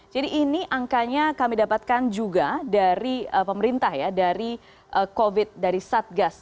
jadi ini angkanya kami dapatkan juga dari pemerintah ya dari covid dari satgas